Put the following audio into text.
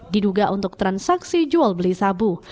diduga untuk transaksi jual beli sabu